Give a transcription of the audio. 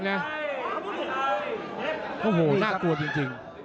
น่ากลัวจริง